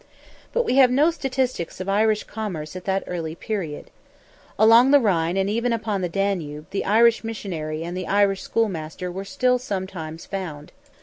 But we have no statistics of Irish commerce at that early period. Along the Rhine and even upon the Danube, the Irish missionary and the Irish schoolmaster were still sometimes found.